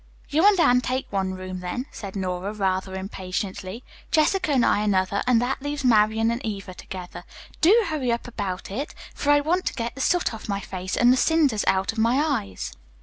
"You and Anne take one room, then," said Nora rather impatiently, "Jessica and I another and that leaves Marian and Eva together. Do hurry up about it, for I want to get the soot off my face, and the cinders out of my eyes."